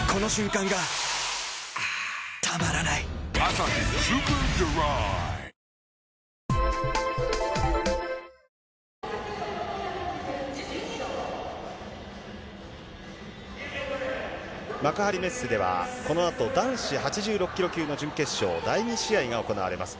やはり足キャッチしたあとで幕張メッセでは、このあと、男子８６キロ級の準決勝、第２試合が行われます。